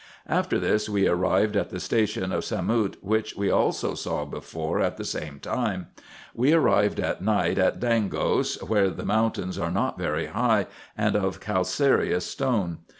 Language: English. After this, we arrived at the station of Samout, which we also saw before at the same time. We arrived at night at Dangos, where the mountains are not very high, and of calcareous stone.